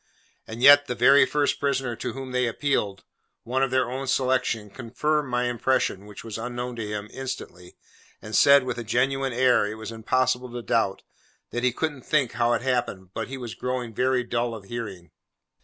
And yet the very first prisoner to whom they appealed—one of their own selection confirmed my impression (which was unknown to him) instantly, and said, with a genuine air it was impossible to doubt, that he couldn't think how it happened, but he was growing very dull of hearing.